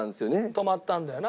泊まったんだよな。